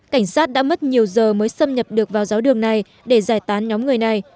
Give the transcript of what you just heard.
cảnh sát đã mất nhiều giờ mới xâm nhập được vào giáo đường này để giải tán nhóm người này